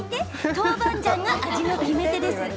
豆板醤が味の決め手です。